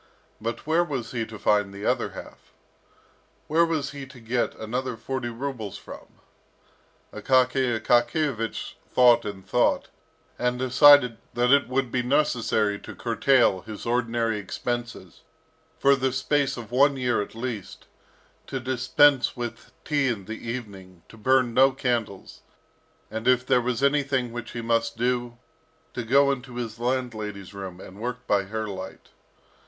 But where was he to find the other half? Where was he to get another forty rubles from? Akaky Akakiyevich thought and thought, and decided that it would be necessary to curtail his ordinary expenses, for the space of one year at least, to dispense with tea in the evening, to burn no candles, and, if there was anything which he must do, to go into his landlady's room, and work by her light.